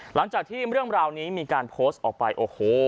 หลังจากที่เรื่องราวนี้มีการโพสต์ออกไปโอ้โห